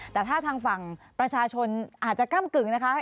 แต่ถ้าทางฝั่งประชาชนอาจจะก้ำกึ่งนะคะ